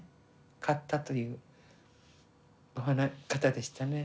買ったという方でしたね。